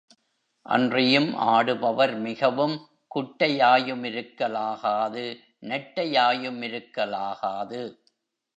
அன்றியும் ஆடுபவர் மிகவும் குட்டையாயு மிருக்கலாகாது நெட்டையாயுமிருக்காலாது.